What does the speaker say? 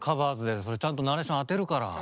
それちゃんとナレーションあてるから。